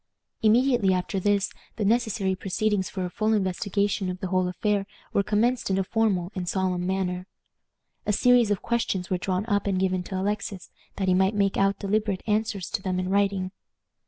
Immediately after this the necessary proceedings for a full investigation of the whole affair were commenced in a formal and solemn manner. A series of questions were drawn up and given to Alexis, that he might make out deliberate answers to them in writing.